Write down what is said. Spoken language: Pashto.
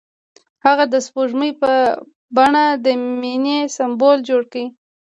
هغه د سپوږمۍ په بڼه د مینې سمبول جوړ کړ.